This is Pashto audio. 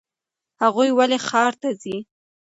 هغوی ولې ښار ته ځي؟